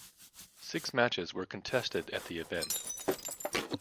Six matches were contested at the event.